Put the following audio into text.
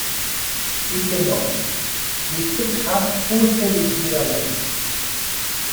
Était mort, et Socrate ôtait les dieux à l'homme ;